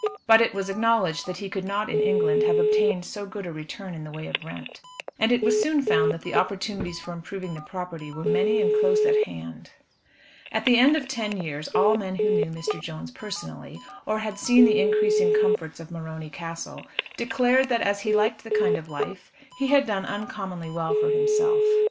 But it was acknowledged that he could not in England have obtained so good a return in the way of rent. And it was soon found that the opportunities for improving the property were many and close at hand. At the end of ten years all men who knew Mr. Jones personally, or had seen the increasing comforts of Morony Castle, declared that, as he liked the kind of life, he had done uncommonly well for himself.